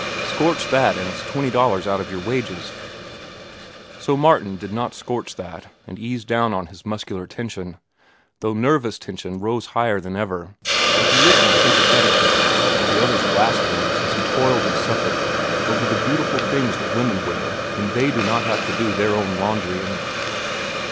"Scorch that an' it's twenty dollars out of your wages." So Martin did not scorch that, and eased down on his muscular tension, though nervous tension rose higher than ever, and he listened sympathetically to the other's blasphemies as he toiled and suffered over the beautiful things that women wear when they do not have to do their own laundrying.